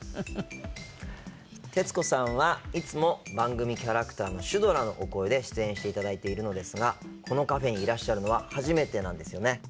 徹子さんはいつも番組キャラクターのシュドラのお声で出演していただいているのですがこのカフェにいらっしゃるのは初めてなんですよね。